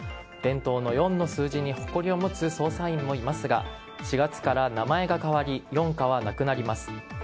伝統の４の数字に誇りを持つ捜査員もいますが４月から名前が変わり４課はなくなります。